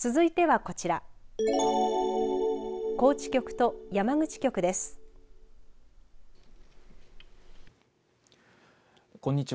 こんにちは。